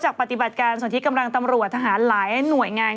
ปฏิบัติการส่วนที่กำลังตำรวจทหารหลายหน่วยงาน